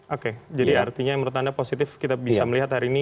oke jadi artinya menurut anda positif kita bisa melihat hari ini